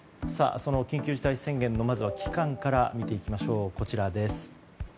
その緊急事態宣言のまずは期間から見ていきましょうこちらです。